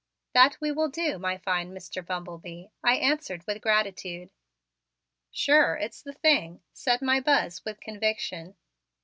"That we will do, my fine Mr. Bumble Bee," I answered with gratitude. "Sure, it's the thing," said my Buzz with conviction.